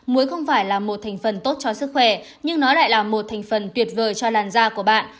muối không phải là một thành phần tốt cho sức khỏe nhưng nó lại là một thành phần tuyệt vời cho làn da của bạn